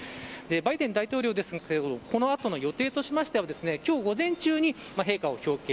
バイデン大統領ですがこの後に予定としては今日、午前中に陛下を表敬。